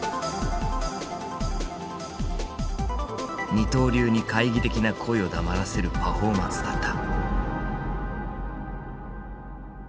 二刀流に懐疑的な声を黙らせるパフォーマンスだった。